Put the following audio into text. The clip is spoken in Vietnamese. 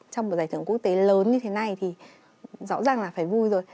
trong một giải thưởng quốc tế lớn như thế này thì rõ ràng là phải vui rồi